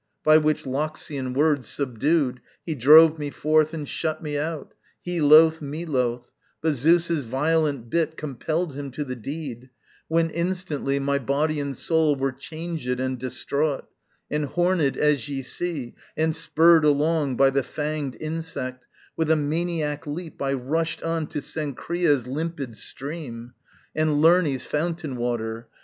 By which Loxian word Subdued, he drove me forth and shut me out, He loth, me loth, but Zeus's violent bit Compelled him to the deed: when instantly My body and soul were changèd and distraught, And, hornèd as ye see, and spurred along By the fanged insect, with a maniac leap I rushed on to Cenchrea's limpid stream And Lerné's fountain water.